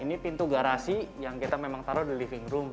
ini pintu garasi yang kita memang taruh di living room